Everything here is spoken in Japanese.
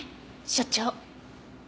所長。